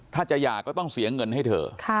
ถ้าจะหย่าก็ต้องเสียเงินให้เธอ